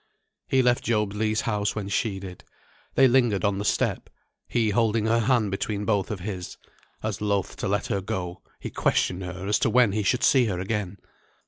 He left Job Legh's house when she did. They lingered on the step, he holding her hand between both of his, as loth to let her go; he questioned her as to when he should see her again.